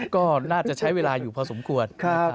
ก็น่าจะใช้เวลาอยู่พอสมควร